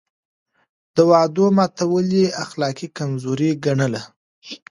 د وعدو ماتول يې اخلاقي کمزوري ګڼله.